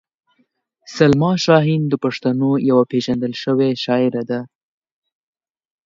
سلما شاهین د پښتنو یوه پېژندل شوې شاعره ده.